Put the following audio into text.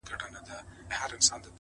خدايه نری باران پرې وكړې؛